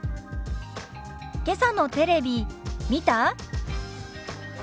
「けさのテレビ見た？」。